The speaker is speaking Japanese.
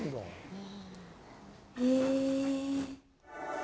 へえ。